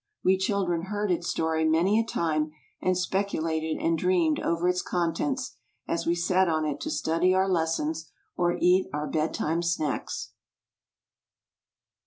We children heard its story many a time and speculated and dreamed over its contents, as we sat on it to study our lessons or eat our bed time snacks.